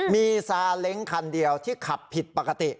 มีซาเล้งคันเดียวที่ขับผิดปกติ